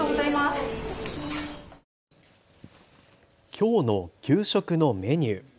きょうの給食のメニュー。